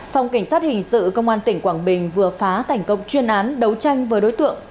phòng cảnh sát hình sự công an tỉnh quảng bình vừa phá thành công chuyên án đấu tranh với đối tượng